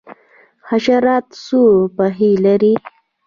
حشرات څو پښې لري؟